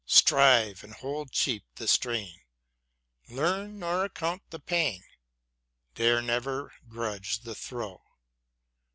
Strive, and hold cheap the strain ; Learn, nor account the pang ; dare, never grudge the throe